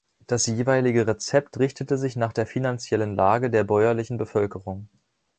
Das jeweilige Rezept richtete sich nach der finanziellen Lage der bäuerlichen Bevölkerung.